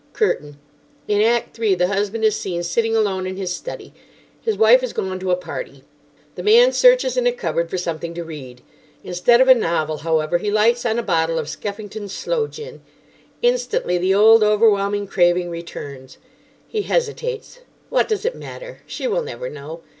Curtain. In Act 3 the husband is seen sitting alone in his study. His wife has gone to a party. The man searches in a cupboard for something to read. Instead of a novel, however, he lights on a bottle of Skeffington's Sloe Gin. Instantly the old overwhelming craving returns. He hesitates. What does it matter? She will never know.